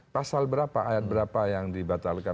pasal berapa ayat berapa yang dibatalkan